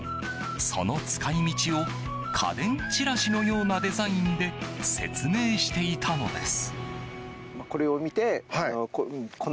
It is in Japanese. その使い道を家電チラシのようなデザインで説明していたのです。